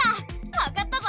わかったぞ！